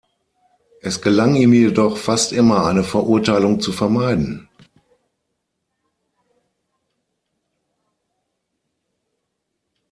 Es gelang ihm jedoch fast immer eine Verurteilung zu vermeiden.